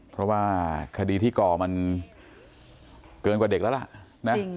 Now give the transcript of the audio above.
เพราะว่าคดีที่ก่อมันเกินกว่าเด็กแล้วล่ะนะ